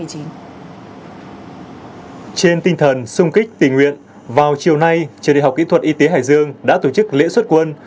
trên tinh thần sung kích tình nguyện vào chiều nay trường đại học kỹ thuật y tế hải dương đã tổ chức lễ xuất quân